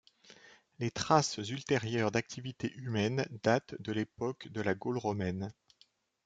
Les traces ultérieures d'activités humaines datent de l'époque de la Gaule romaine.